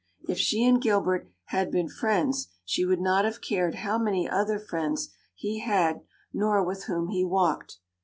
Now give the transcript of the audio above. If she and Gilbert had been friends she would not have cared how many other friends he had nor with whom he walked.